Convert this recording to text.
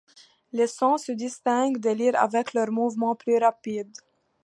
Les scans se distinguent des lyres avec leur mouvement plus rapide.